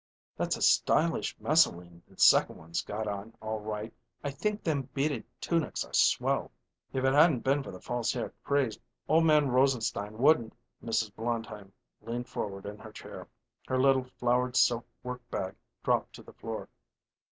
"That's a stylish messaline the second one's got on, all right. I think them beaded tunics are swell." "If it hadn't been for the false hair craze old man Rosenstein wouldn't " Mrs. Blondheim leaned forward in her chair; her little flowered silk work bag dropped to the floor.